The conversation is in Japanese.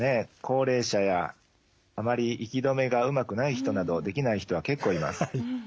高齢者やあまり息止めがうまくない人などできない人は結構います。